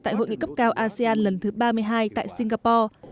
tại hội nghị cấp cao asean lần thứ ba mươi hai tại singapore